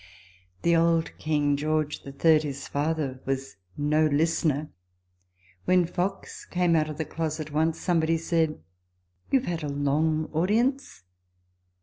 The old King [George III.] his father, was no listener. When Fox came out of the closet once, somebody said, " You have had a long audience."